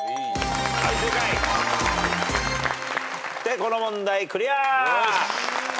この問題クリア。